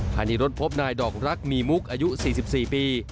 ภายในรถพบนายดอกรักมีมุกอายุ๔๔ปี